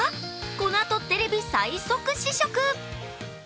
このあとテレビ最速試食。